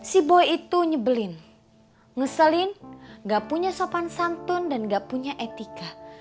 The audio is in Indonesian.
si boy itu nyebelin ngeselin gak punya sopan santun dan gak punya etika